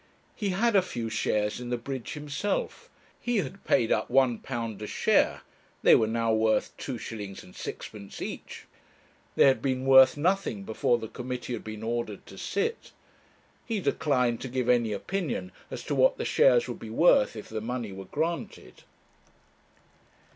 He had a few shares in the bridge himself. He had paid up £1 a share. They were now worth 2s. 6d. each. They had been worth nothing before the committee had been ordered to sit. He declined to give any opinion as to what the shares would be worth if the money were granted.